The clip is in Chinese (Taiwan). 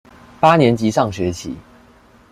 八年級上學期